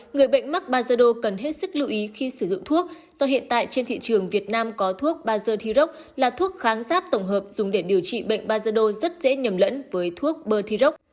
người bệnh mắc bai ra đầu cần hết sức lưu ý khi sử dụng thuốc do hiện tại trên thị trường việt nam có thuốc ba dơ thi rốc là thuốc kháng giáp tổng hợp dùng để điều trị bệnh bai ra đầu rất dễ nhầm lẫn với thuốc bơ thi rốc